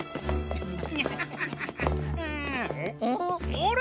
あれ？